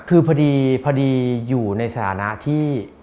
คือพอดีอยู่ในสถานะที่